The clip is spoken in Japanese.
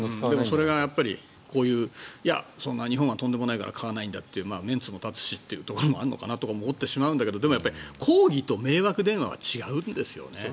それが日本はとんでもないから買わないんだっていうメンツも立つしいうところもあるのかなと思うけど抗議と迷惑電話は違うんですよね。